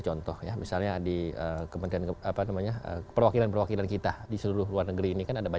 dan tentunya kami harus memiliki kemampuan untuk memiliki kemampuan untuk memiliki kemampuan untuk memiliki kemampuan untuk memiliki kemampuan untuk memiliki kemampuan